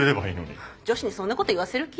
女子にそんなこと言わせる気？